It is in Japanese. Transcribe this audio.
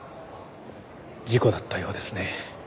事故だったようですね。